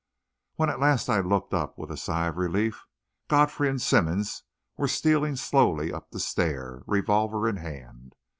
When at last I looked up with a sigh of relief, Godfrey and Simmonds were stealing slowly up the stair, revolver in hand.